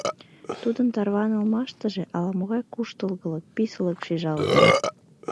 Тудын тарванылмаштыже ала-могай куштылгылык, писылык шижалтыт.